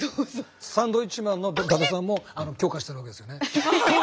サンドウィッチマンの伊達さんも許可してるわけですよね？